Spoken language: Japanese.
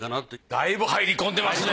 だいぶ入り込んでますね。